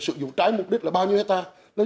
sự dụng trái mục đích là bao nhiêu hectare